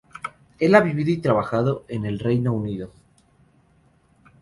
Él ha vivido y trabajado en el Reino Unido.